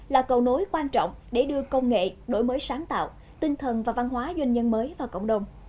là cầu nối quan trọng để đưa công nghệ đổi mới sáng tạo tinh thần và văn hóa doanh nhân mới vào cộng đồng